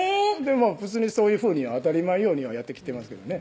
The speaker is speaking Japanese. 普通にそういうふうに当たり前のようにはやってきてますけどね